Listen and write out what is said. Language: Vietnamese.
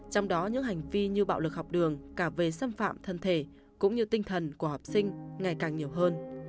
trong đó những hành vi như bạo lực học đường cả về xâm phạm thân thể cũng như tinh thần của học sinh ngày càng nhiều hơn